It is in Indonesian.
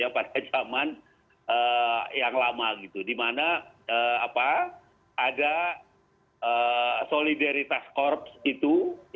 pada zaman yang lama di mana ada solidaritas korps itu